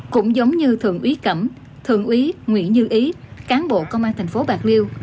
cũng giống như thượng úy cẩm thượng úy nguyễn như ý cán bộ công an tp bạc liêu